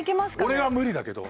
俺は無理だけど。